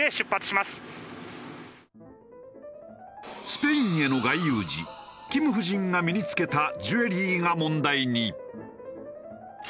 スペインへの外遊時金夫人が身に着けたジュエリーが問題に。